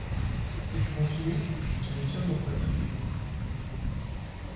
Si tu continues, je te retire ma pratique !